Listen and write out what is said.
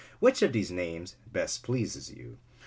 Which of these names best pleases you'?